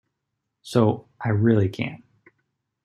So, I really can't.